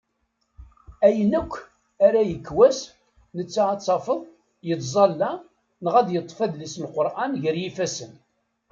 Ayen akk ara yekk wass netta ad tafeḍ yettẓala neɣ ad yeṭṭef adlis n leqran gar yifasen.